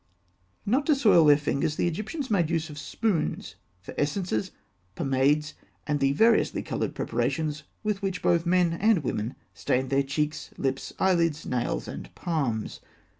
] Not to soil their fingers the Egyptians made use of spoons for essences, pomades, and the variously coloured preparations with which both men and women stained their cheeks, lips, eyelids, nails, and palms.